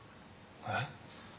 えっ？